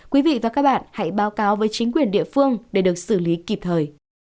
quý vị và các bạn hãy báo cáo với chính quyền địa phương để được xử lý kịp thời